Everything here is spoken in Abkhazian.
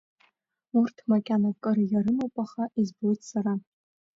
Урҭ макьана акыр иарымоуп, аха избоит сара…